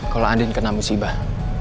kalo andin kena musibah